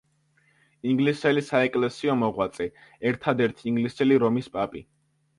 ინგლისელი საეკლესიო მოღვაწე, ერთადერთი ინგლისელი რომის პაპი.